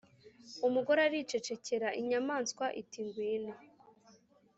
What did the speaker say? umugore aricecekera. inyamaswa iti: ngwino